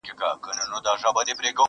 په پسته ژبه يې نه واى نازولى.!